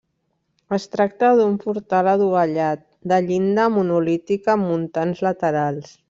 Es tracta d’un portal adovellat, de llinda monolítica amb muntants laterals.